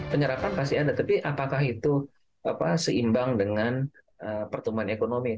penyerapan pasti ada tapi apakah itu seimbang dengan pertumbuhan ekonomi